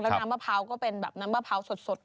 แล้วน้ำมะพร้าวก็เป็นน้ำมะพร้าวสด